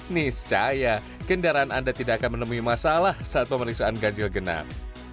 niscaya kendaraan anda tidak akan menemui masalah saat pemeriksaan ganjil genap